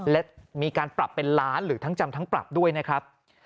และมีการปรับเป็นล้านหรือทั้งจำทั้งปรับด้วยนะครับ